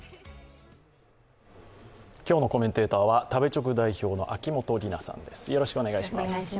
今日のコメンテーターは食べチョク代表の秋元里奈さんです。